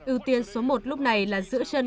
ưu tiên số một lúc này là giữa chân